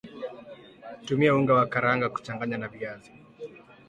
tumia unga wa karanga kuchanganya na viazi